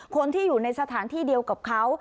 คนที่อยู่ในสถานที่เดียวกับเขา